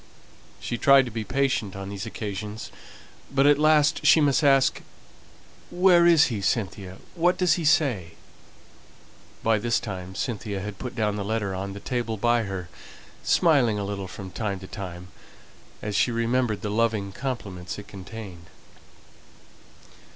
She tried to be patient on these occasions, but at last she must ask "Where is he, Cynthia? What does he say?" By this time Cynthia had put down the letter on the table by her, smiling a little from time to time, as she remembered the loving compliments it contained.